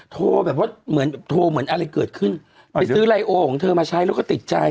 โทรแบบว่ารายละเอียลของเธอมาใช้แล้วก็ติดใจ